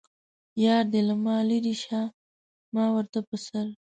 یار دې له ما لرې شه ما ورته په سر.